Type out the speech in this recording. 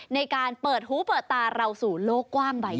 ในการเปิดหูเปิดตาเราสู่โลกกว้างใบ